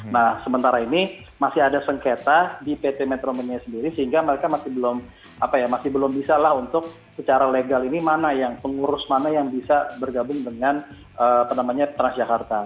karena ini masih ada sengketa di pt metro mini sendiri sehingga mereka masih belum bisa lah untuk secara legal ini mana yang pengurus mana yang bisa bergabung dengan transjakarta